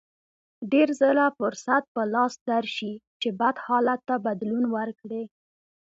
ډېر ځله فرصت په لاس درشي چې بد حالت ته بدلون ورکړئ.